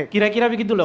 kira kira begitu loh